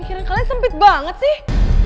mikiran kalian sempit banget sih